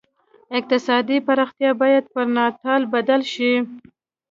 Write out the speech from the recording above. اقتصادي پراختیا باید پر ناتال بدل شي.